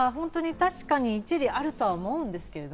確かに一理あるとは思うんですけど。